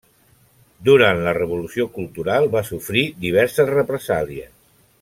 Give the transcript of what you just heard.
Durant la Revolució Cultural va sofrir diverses represàlies.